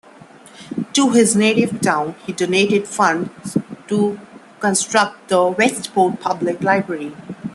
To his native town he donated funds to construct the Westport Public Library.